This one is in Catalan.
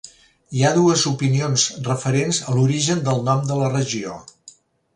Hi ha dues opinions referents a l'origen del nom de la regió.